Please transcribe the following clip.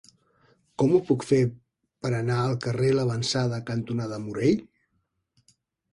Com ho puc fer per anar al carrer L'Avançada cantonada Morell?